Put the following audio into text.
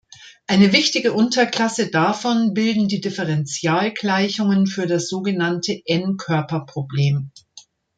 Eine wichtige Unterklasse davon bilden die Differentialgleichungen für das sogenannte n-Körperproblem.